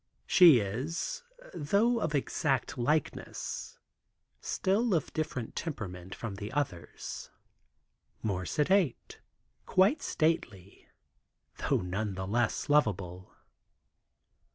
She is, though of exact likeness, still of different temperament from the others. More sedate, quite stately, though none the less lovable.